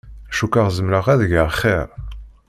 Cukkeɣ zemreɣ ad geɣ xir.